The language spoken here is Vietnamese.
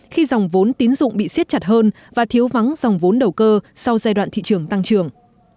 khi dòng vốn tín dụng bị siết chặt hơn và thiếu vắng dòng vốn đầu cơ sau giai đoạn thị trường tăng trưởng